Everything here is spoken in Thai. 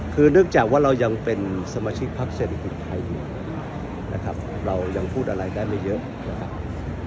คือเนื่องจากว่าเรายังเป็นสมาชิกพักเศรษฐกิจไทยอยู่นะครับเรายังพูดอะไรได้ไม่เยอะนะครับ